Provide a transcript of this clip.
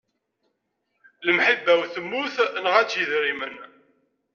Lemḥibba-w temmut, nɣan-tt yedrimen.